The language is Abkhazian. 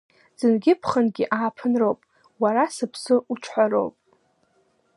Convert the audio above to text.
Ӡынгьы-ԥхынгьы ааԥынроуп, уара сыԥсы уҿҳәароуп.